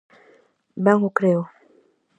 Ben o creo!